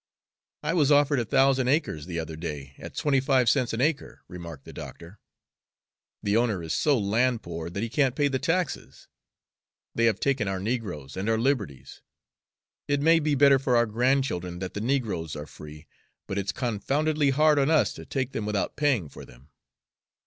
"I was offered a thousand acres, the other day, at twenty five cents an acre," remarked the doctor. "The owner is so land poor that he can't pay the taxes. They have taken our negroes and our liberties. It may be better for our grandchildren that the negroes are free, but it's confoundedly hard on us to take them without paying for them.